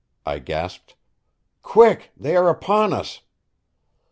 I gasped. "Quick they are upon us!"